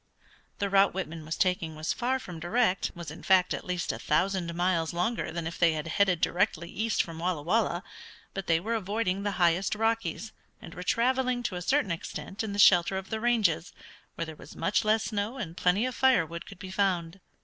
The route Whitman was taking was far from direct, was in fact at least a thousand miles longer than if they had headed directly east from Walla Walla, but they were avoiding the highest Rockies, and were traveling to a certain extent in the shelter of the ranges, where there was much less snow and plenty of fire wood could be found.